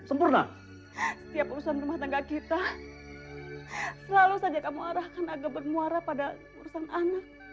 sempurna setiap urusan rumah tangga kita selalu saja kamu arahkan agar bermuara pada urusan anak